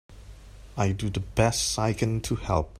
I do the best I can to help.